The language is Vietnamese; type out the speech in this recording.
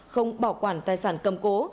không bảo quản tài sản cầm cố